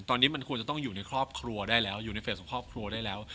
ตอนนี้มันควรจะต้องอยู่ในครอบครัวได้แล้วอยู่ในเฟสของครอบครัวได้แล้ว